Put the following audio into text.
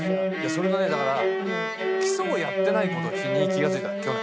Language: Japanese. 「それがねだから基礎をやってない事に気がついたの去年」